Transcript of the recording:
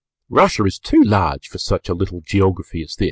Russia is too large for such a little Geography as this.